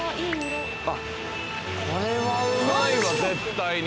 あっこれはうまいわ絶対に。